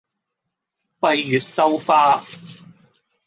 閉月羞花